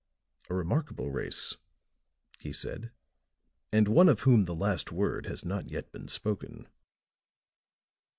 "A remarkable race," he said, "and one of whom the last word has not yet been spoken."